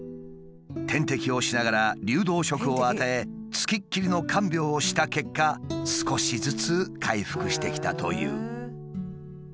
点滴をしながら流動食を与え付きっきりの看病をした結果少しずつ回復してきたという。